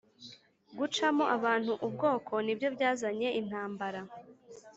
Gucamo abantu ubwoko nibyo byazanye intambara